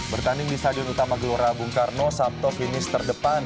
bertanding di stadion utama gelora bung karno sabto finish terdepan